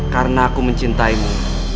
karena aku mencintaimu